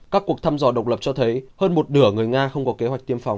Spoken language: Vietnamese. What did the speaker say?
các cuộc thăm dò độc lập cho thấy hơn một nửa người nga không có kế hoạch tiêm phòng